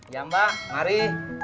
ya mbak mari